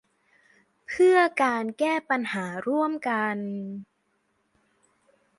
เพื่อการแก้ปัญหาร่วมกัน